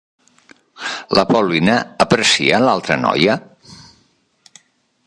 La Paulina aprecia a l'altra noia?